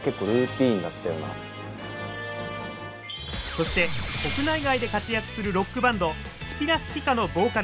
そして国内外で活躍するロックバンドスピラ・スピカのボーカル